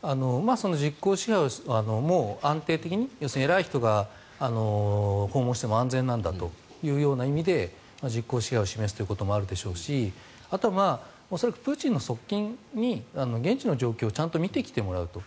その実効支配を安定的に要するに偉い人が訪問しても安全なんだというような意味で実効支配を示すということもあるでしょうしあとは恐らくプーチンの側近に現地の状況をちゃんと見てきてもらうと。